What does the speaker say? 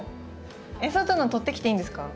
えっ外の取ってきていいんですか？